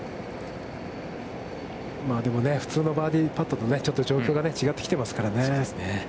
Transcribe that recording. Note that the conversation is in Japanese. でもね、普通のバーディーパットとちょっと状況が違ってきていますからね。